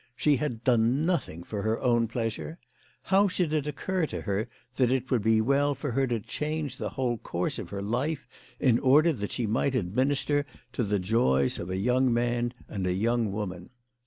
She had done nothing for her own pleasure. How should it occur to her that it would be well for her to change the whole course of her life in order that she might administer to the joys of a young man and a young woman